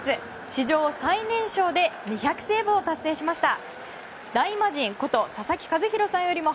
史上最年少で２００セーブを達成しました。